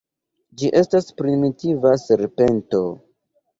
Ĝi estas primitiva serpento.